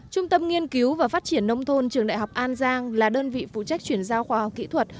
trung tâm nghiên cứu và phát triển nông thôn trường đại học an giang là đơn vị phụ trách chuyển giao khoa học kỹ thuật